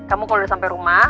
kamu kalau udah sampai rumah